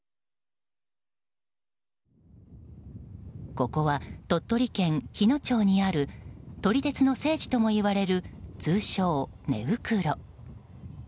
ここは鳥取県日野町にある撮り鉄の聖地ともいわれる通称ネウクロ。